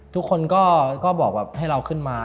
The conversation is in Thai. ทุกคนก็บอกให้เราขึ้นมา